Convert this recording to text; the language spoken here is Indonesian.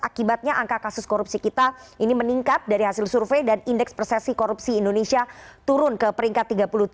akibatnya angka kasus korupsi kita ini meningkat dari hasil survei dan indeks persesi korupsi indonesia turun ke peringkat tiga puluh tujuh